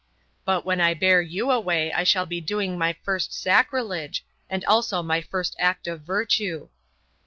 But when I bear you away I shall be doing my first sacrilege, and also my first act of virtue."